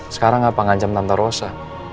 sekarang apa ngancam tanpa rosa